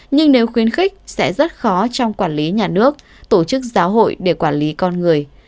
nhưng nếu khuyến khích sẽ rất khó trong quản lý nhà nước tổ chức giáo hội để quản lý con người